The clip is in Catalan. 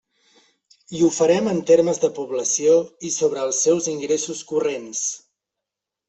I ho farem en termes de població i sobre els seus ingressos corrents.